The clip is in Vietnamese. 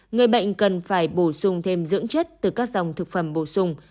người bệnh cần phải bổ sung thêm dưỡng chất từ các dòng thực phẩm bổ sung